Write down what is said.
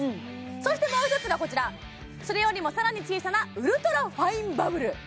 そしてもう一つがこちらそれよりもさらに小さなウルトラファインバブル